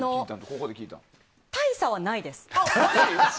大差はないです。